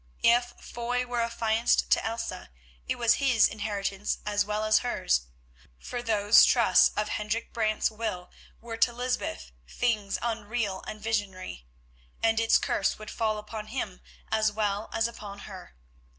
If Foy were affianced to Elsa, it was his inheritance as well as hers, for those trusts of Hendrik Brant's will were to Lysbeth things unreal and visionary, and its curse would fall upon him as well as upon her.